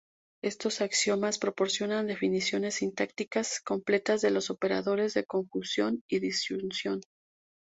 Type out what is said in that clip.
Estos axiomas proporcionan definiciones sintácticas completas de los operadores de conjunción y disyunción.